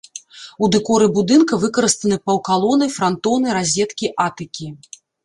У дэкоры будынка выкарыстаны паўкалоны, франтоны, разеткі, атыкі.